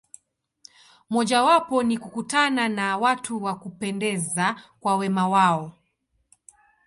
Mojawapo ni kukutana na watu wa kupendeza kwa wema wao.